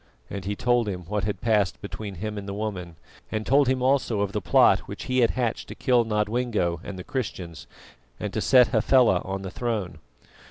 And he told him what had passed between himself and the woman, and told him also of the plot which he had hatched to kill Nodwengo and the Christians, and to set Hafela on the throne.